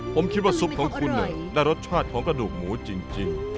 ผมคิดว่าซุปของคุณได้รสชาติของกระดูกหมูจริง